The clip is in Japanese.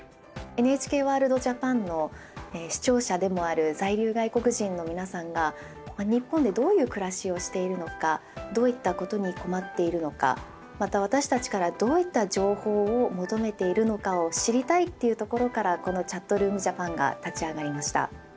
ＮＨＫＷＯＲＬＤＪＡＰＡＮの視聴者でもある在留外国人の皆さんが日本でどういう暮らしをしているのかどういったことに困っているのかまた私たちからどういった情報を求めているのかを知りたいというところからこの「ＣｈａｔｒｏｏｍＪａｐａｎ」が立ち上がりました。